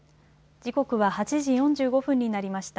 時刻は８時４５分になりました。